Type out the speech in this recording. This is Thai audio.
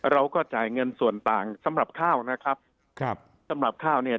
เราก็จ่ายเงินส่วนต่างสำหรับข้าวนะครับครับสำหรับข้าวเนี่ย